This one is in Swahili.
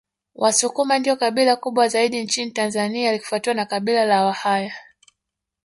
Wasukuma ndio kabila kubwa zaidi nchini Tanzania likifuatiwa na Kabila la Wahaya